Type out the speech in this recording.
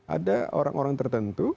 ada orang orang tertentu